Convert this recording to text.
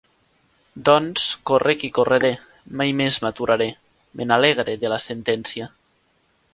«Doncs, córrec i correré. Mai més m’aturaré. Me n'alegre, de la sentència.»